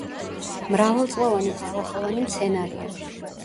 მრავალწლოვანი ბალახოვანი მცენარეა.